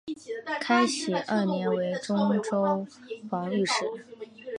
开禧二年为忠州防御使。